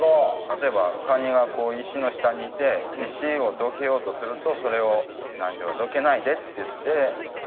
例えばカニが石の下にいて石をどけようとするとそれをどけないでっていって蓋をするみたいな。